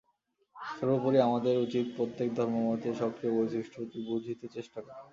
সর্বোপরি আমাদের উচিত প্রত্যেক ধর্মমতের স্বকীয় বৈশিষ্ট্যটি বুঝিতে চেষ্টা করা।